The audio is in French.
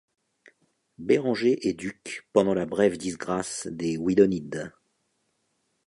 Bérenger est duc pendant la brève disgrace des Widonides.